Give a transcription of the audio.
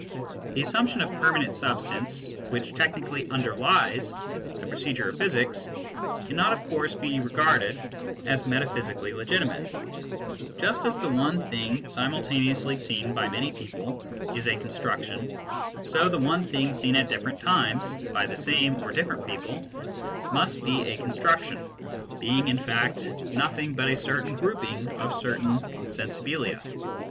The assumption of permanent substance, which technically underlies the procedure of physics, cannot of course be regarded as metaphysically legitimate : just as the one thing simultaneously seen by many people is a con struction, so the one thing seen at different times by the same or different people must be a construction, being in fact nothing but a certain grouping of certain " sensibilia."